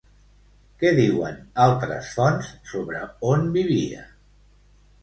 Què diuen altres fonts sobre on vivia?